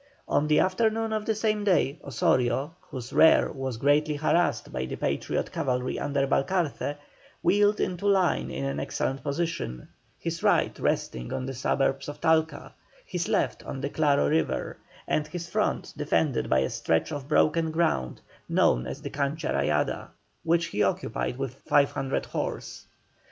On the afternoon of the same day, Osorio, whose rear was greatly harassed by the Patriot cavalry under Balcarce, wheeled into line in an excellent position, his right resting on the suburbs of Talca, his left on the Claro River, and his front defended by a stretch of broken ground known as the Cancha Rayada, which he occupied with 500 horse.